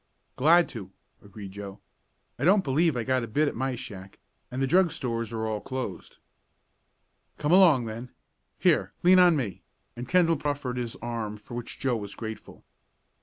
"Glad to," agreed Joe. "I don't believe I've got a bit at my shack, and the drug stores are all closed." "Come along then here, lean on me," and Kendall proffered his arm, for which Joe was grateful.